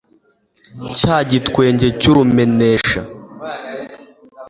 cya gitwenge cy'urumenesha